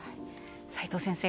齋藤先生